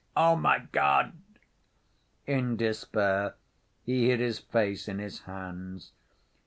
Oh, my God!" In despair he hid his face in his hands.